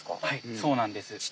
はいそうなんです。